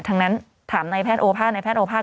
ทั้งนั้นถามนายแพทย์โอภาค